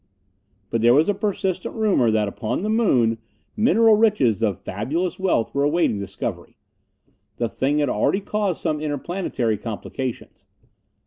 But there was a persistent rumor that upon the Moon, mineral riches of fabulous wealth were awaiting discovery. The thing had already caused some interplanetary complications.